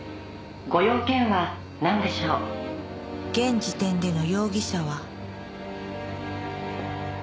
現時点での容疑者は？